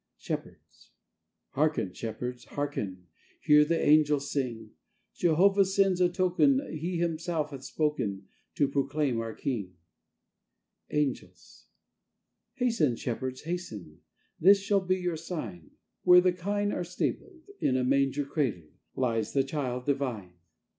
(Shepherds)Harken, Shepherds, harken, Hear the angels sing! Jehovah sends a token, He himself hath spokenTo proclaim our King.(Angels)Hasten, Shepherds, hasten, This shall be your sign; Where the kine are stabled, In a manger cradledLies the Child Divine.